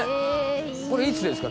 これいつですか？